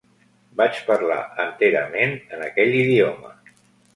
Vaig parlar enterament en aquell idioma.